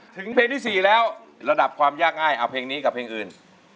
ถึงเพลงที่๔แล้วระดับความยากง่ายเอาเพลงนี้กับเพลงอื่น